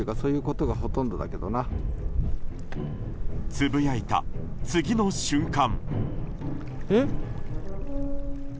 つぶやいた次の瞬間。